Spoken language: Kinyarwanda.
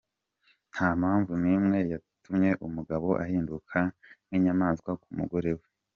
Nta mpamvu nimwe yatuma umugabo ahinduka nk’inyamaswa ku mugore we.